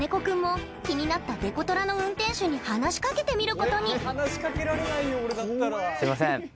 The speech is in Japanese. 君も気になったデコトラの運転手に話しかけてみることにすみません